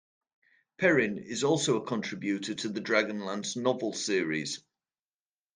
Perrin is also a contributor to the Dragonlance novel series.